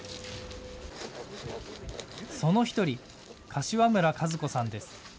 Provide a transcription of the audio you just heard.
その１人、柏村和子さんです。